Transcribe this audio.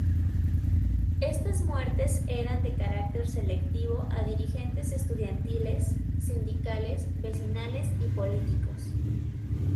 Estas muertes eran de carácter selectivo a dirigentes estudiantiles, sindicales, vecinales y políticos.